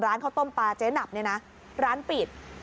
ข้าวต้มปลาเจ๊หนับเนี่ยนะร้านปิด